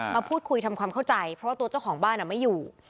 มาพูดคุยทำความเข้าใจเพราะว่าตัวเจ้าของบ้านไม่อยู่